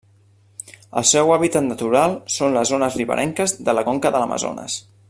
El seu hàbitat natural són les zones riberenques de la conca de l'Amazones.